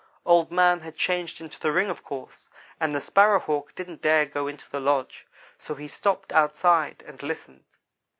Old man had changed into the ring, of course, and the Sparrow hawk didn't dare to go into the lodge; so he stopped outside and listened.